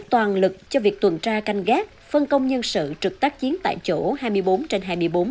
toàn lực cho việc tuần tra canh gác phân công nhân sự trực tác chiến tại chỗ hai mươi bốn trên hai mươi bốn